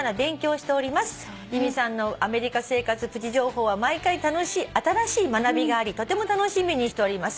「由美さんの『アメリカ生活プチ情報』は毎回新しい学びがありとても楽しみにしております」